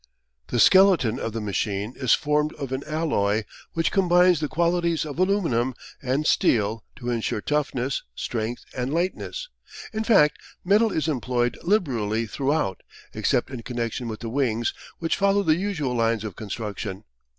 The skeleton of the machine is formed of an alloy which combines the qualities of aluminium and steel to ensure toughness, strength, and lightness. In fact, metal is employed liberally throughout, except in connection with the wings, which follow the usual lines of construction.